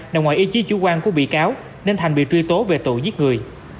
nằm ngoài ý chí chủ quan của bị cáo nên thành bị truy tố về tội giết người